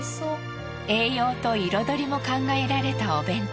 栄養と彩りも考えられたお弁当。